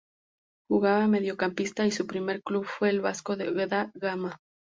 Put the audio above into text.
Jugaba de mediocampista y su primer club fue el Vasco da Gama.